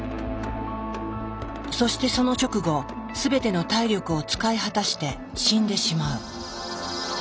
そしてその直後すべての体力を使い果たして死んでしまう。